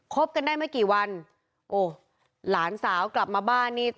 บกันได้ไม่กี่วันโอ้หลานสาวกลับมาบ้านนี่